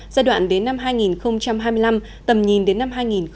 giai đoạn đến năm hai nghìn hai mươi năm tầm nhìn đến năm hai nghìn ba mươi